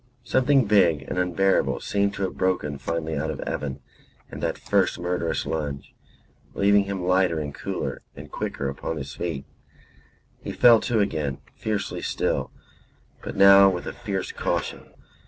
Something big and unbearable seemed to have broken finally out of Evan in that first murderous lunge, leaving him lighter and cooler and quicker upon his feet. He fell to again, fiercely still, but now with a fierce caution.